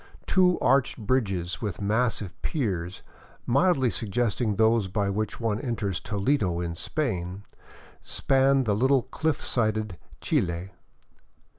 Two arched bridges with massive piers, mildly suggesting those by which one enters Toledo in Spain, span the little cliff sided Chili.